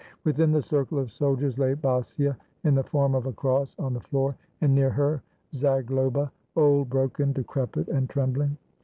Within the circle of soldiers lay Basia, in the form of a cross, on the floor, and near her Zagloba, old, broken, decrepit, and trembling.